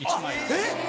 えっ！